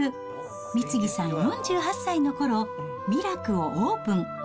美次さん４８歳のころ、味楽をオープン。